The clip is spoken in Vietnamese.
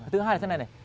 thứ hai là thế này này